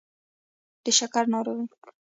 د شکر ناروغي